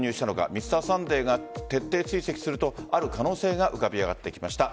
「Ｍｒ．サンデー」が徹底追跡するとある可能性が浮かび上がってきました。